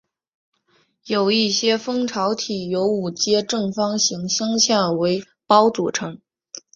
有一些蜂巢体由五阶正方形镶嵌为胞构成